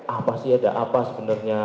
apa sih ada apa sebenarnya